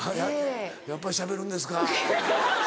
やっぱりしゃべるんですか。